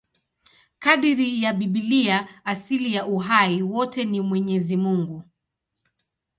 Kadiri ya Biblia, asili ya uhai wote ni Mwenyezi Mungu.